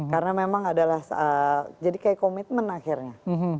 karena memang adalah jadi kayak komitmen akhirnya